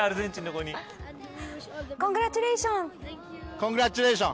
コングラチュレーション。